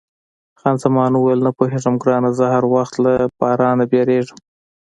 خان زمان وویل، نه پوهېږم ګرانه، زه هر وخت له بارانه بیریږم.